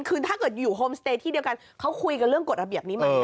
คือถ้าเกิดอยู่โฮมสเตย์ที่เดียวกันเขาคุยกันเรื่องกฎระเบียบนี้ไหม